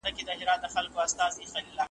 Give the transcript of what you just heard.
یو ګړی یې خپل کورګی او ځنګل هېر کړ .